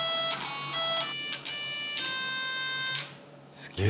すげえ。